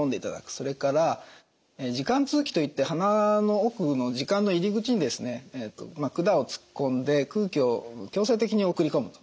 それから耳管通気といって鼻の奥の耳管の入り口に管を突っ込んで空気を強制的に送り込むと。